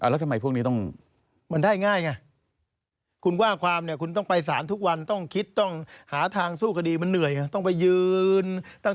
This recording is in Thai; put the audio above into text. แล้วทำไมพวกนี้ต้อง